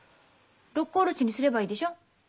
六甲おろしにすればいいでしょ。